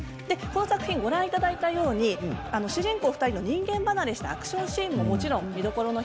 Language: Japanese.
この作品、ご覧いただいたように主人公２人の人間離れしたアクションシーンももちろん見どころの